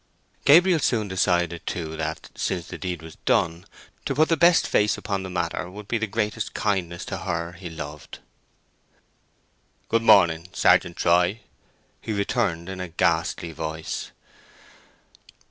Gabriel soon decided too that, since the deed was done, to put the best face upon the matter would be the greatest kindness to her he loved. "Good morning, Sergeant Troy," he returned, in a ghastly voice.